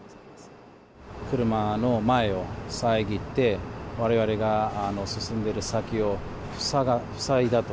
車の前を遮って、われわれが進んでいる先を塞いだと。